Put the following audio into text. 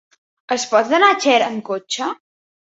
Es pot anar a Xera amb cotxe?